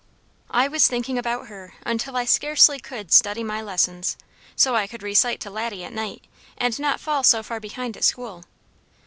I was thinking about her until I scarcely could study my lessons, so I could recite to Laddie at night, and not fall so far behind at school.